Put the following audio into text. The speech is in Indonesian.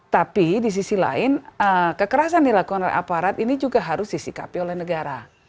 tapi di sisi lain kekerasan dilakukan oleh aparat ini juga harus disikapi oleh negara